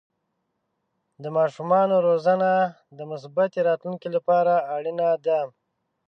د ماشومانو روزنه د مثبتې راتلونکې لپاره اړینه ده.